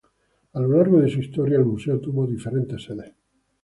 A lo largo de su historia el Museo, tuvo diferentes sedes.